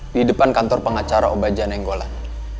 di depan kantor pengacara obadjana inggolan